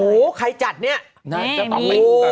โอ้โหใครจัดเนี่ย